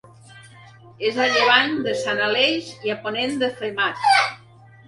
És a llevant de Sant Aleix i a ponent de Femat.